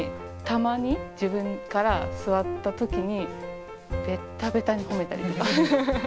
たまに自分から座ったときに、べったべたに褒めたりとか。